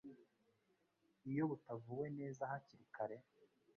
iyo butavuwe neza hakiri kare.